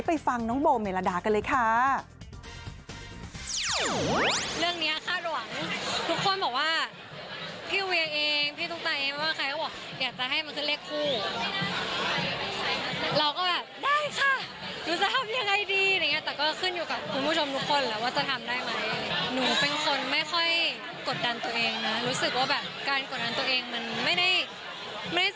ฟังน้องโบเมลาดากันเลยค่ะ